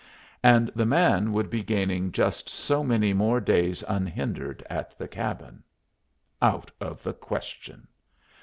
And the man would be gaining just so many more days unhindered at the cabin. Out of the question.